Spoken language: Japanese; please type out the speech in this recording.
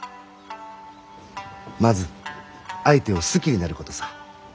まず相手を好きになることさ。